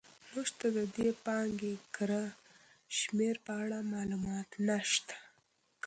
موږ ته د دې پانګې کره شمېر په اړه معلومات نه شته.